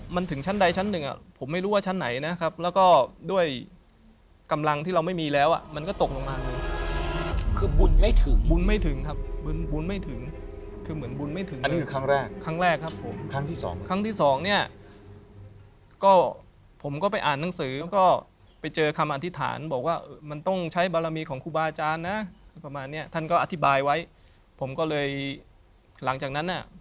แต่เขาก็เข้ามาเขาก็บอกว่าผมชื่อชัย